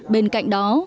bên cạnh đó